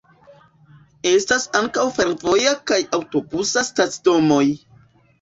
Estas ankaŭ fervoja kaj aŭtobusa stacidomoj.